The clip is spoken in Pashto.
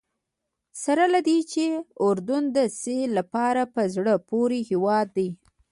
سره له دې چې اردن د سیل لپاره په زړه پورې هېواد دی.